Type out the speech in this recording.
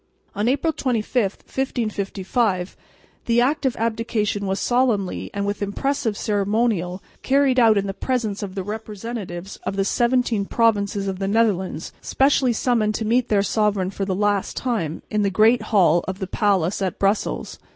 On October 25, 1555, the act of abdication was solemnly and with impressive ceremonial carried out in the presence of the representatives of the seventeen provinces of the Netherlands specially summoned to meet their sovereign for the last time in the Great Hall of the Palace at Brussels.